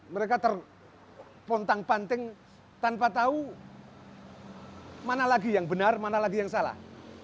mereka terpontang panting tanpa tahu mana lagi yang benar mana lagi yang salah